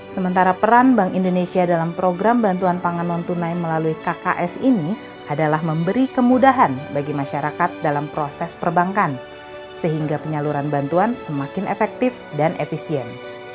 sementara peran bank indonesia dalam program bantuan pangan non tunai melalui kks ini adalah memberi kemudahan bagi masyarakat dalam proses perbankan sehingga penyaluran bantuan semakin efektif dan efisien